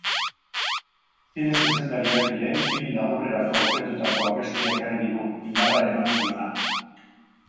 Zine zuzendariak lehen film laburrerako aukeratutako abestia ekarri digu, indarra eman ziona.